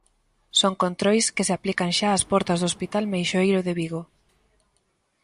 Son controis que se aplican xa ás portas do hospital Meixoeiro de Vigo.